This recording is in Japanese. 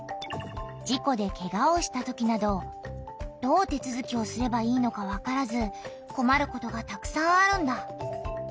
じこでケガをしたときなどどう手つづきをすればいいのかわからずこまることがたくさんあるんだ。